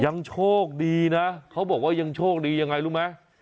ยังโชคดีนะเขาบอกว่ายังโชคดียังไงรู้ไหม